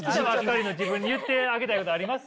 自分に言ってあげたいことあります？